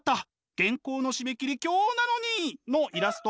原稿の締め切り今日なのに！」のイラスト。